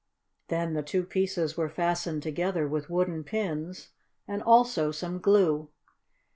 Then the two pieces were fastened together with wooden pins, and also some glue.